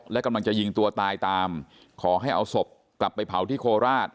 และกำลังจะยิงตัวตายตามขอให้เอาศพกลับไปเผาที่โคราช